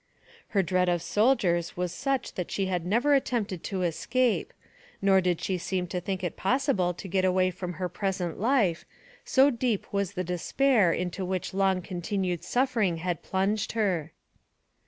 Her di^ead of soldiers was such that she had never attempted to escape, nor did she seem to think it possi ble to get away from her present life, so deep was the despair into which long continued suffering had plunged her.